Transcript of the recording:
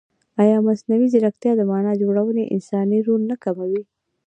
ایا مصنوعي ځیرکتیا د معنا جوړونې انساني رول نه کموي؟